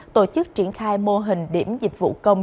tổ chức triển khai mô hình điểm dịch vụ công